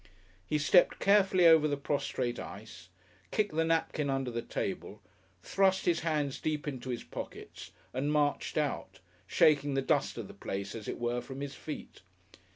He stepped carefully over the prostrate ice, kicked the napkin under the table, thrust his hands deep into his pockets, and marched out shaking the dust of the place, as it were, from his feet.